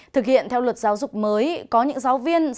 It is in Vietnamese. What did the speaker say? thực hiện theo luật giáo dục mới